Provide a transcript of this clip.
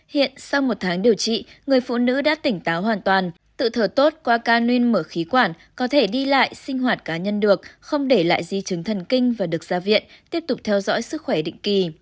hiện sau một tháng điều trị người phụ nữ đã tỉnh táo hoàn toàn tự thở tốt qua can nguyên mở khí quản có thể đi lại sinh hoạt cá nhân được không để lại di chứng thần kinh và được ra viện tiếp tục theo dõi sức khỏe định kỳ